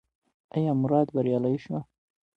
ایا مراد بریالی شو؟